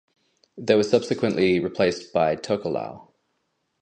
They were subsequently replaced by Tokelau.